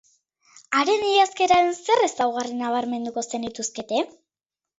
Haren idazkeraren zer ezaugarri nabarmenduko zenituzkete?